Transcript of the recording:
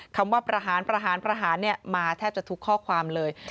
คำว่าประหารประหารประหารมาแทบจะทุกข้อความเลย